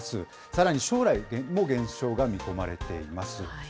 さらに将来も減少が見込まれています。